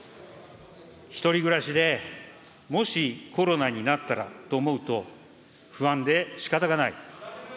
１人暮らしでもしコロナになったらと思うと、不安でしかたがない。